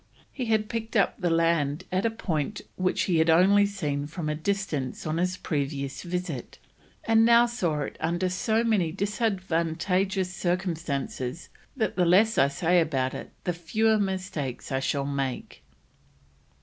He had picked up the land at a point which he had only seen from a distance on his previous visit, and "now saw it under so many disadvantageous circumstances, that the less I say about it, the fewer mistakes I shall make."